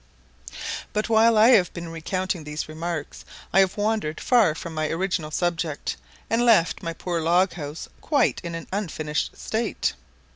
But while I have been recounting these remarks, I have wandered far from my original subject, and left my poor log house quite in an unfinished state.